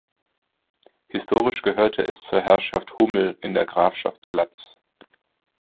Historisch gehörte es zur Herrschaft Hummel in der Grafschaft Glatz.